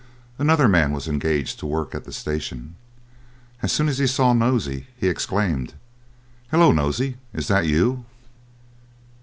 Another man was engaged to work at the station. As soon as he saw Nosey he exclaimed, "Hello, Nosey, is that you?"